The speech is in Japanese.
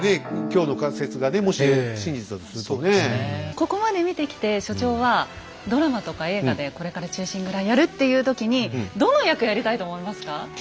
ここまで見てきて所長はドラマとか映画でこれから「忠臣蔵」やるっていう時にどの役やりたいと思いますか？